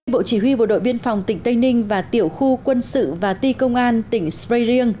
bộ chỉ huy bộ đội biên phòng tỉnh tây ninh và tiểu khu quân sự và ti công an tỉnh svre riêng